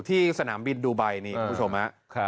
สนามบินดูไบนี่คุณผู้ชมฮะ